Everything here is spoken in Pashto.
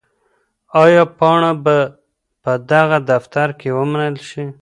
آیا پاڼه به په دغه دفتر کې ومنل شي؟